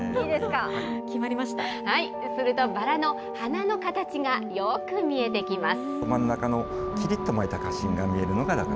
バラの花の形がよく見えてきます。